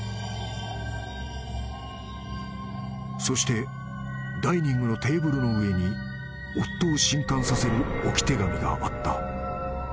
［そしてダイニングのテーブルの上に夫を震撼させる置き手紙があった］